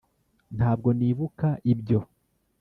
ntabwo nibuka ibyo